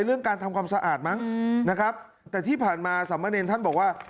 เรื่องการทำความสะอาดมั้งนะครับแต่ที่ผ่านมาสามเณรท่านบอกว่า